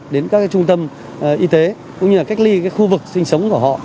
đến các trung tâm y tế cũng như là cách ly khu vực sinh sống của họ